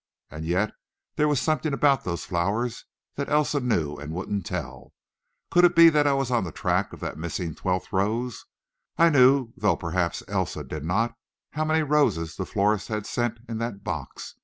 And yet, there was something about those flowers that Elsa knew and wouldn't tell. Could it be that I was on the track of that missing twelfth rose? I knew, though perhaps Elsa did not, how many roses the florist had sent in that box.